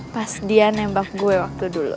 pas dia nembak gue waktu dulu